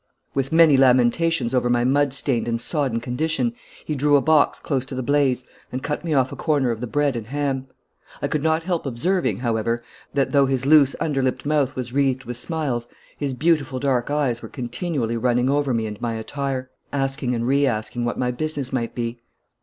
With many lamentations over my mud stained and sodden condition, he drew a box close to the blaze and cut me off a corner of the bread and ham. I could not help observing, however, that though his loose under lipped mouth was wreathed with smiles, his beautiful dark eyes were continually running over me and my attire, asking and re asking what my business might be.